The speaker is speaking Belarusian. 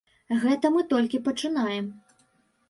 Гэта мы толькі пачынаем!